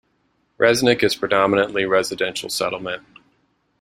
Resnik is predominantly residential settlement.